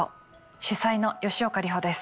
主宰の吉岡里帆です。